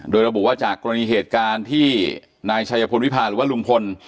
โดยระบุว่าจากกรณีเหตุการณ์ที่นายชัยพลวิพาหรือว่าลุงพล